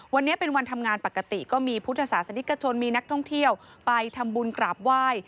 วันนี้เป็นวันทำงานปกติก็มีพุทธศาสนิกชนมีนักท่องเที่ยวไปทำบุญกราบไหว้